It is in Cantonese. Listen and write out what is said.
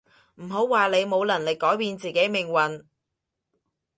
唔好話你冇能力改變自己命運